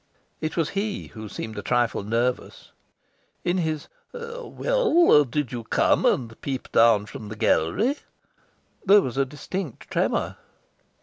It was he who seemed a trifle nervous. In his "Well, did you come and peep down from the gallery?" there was a distinct tremour.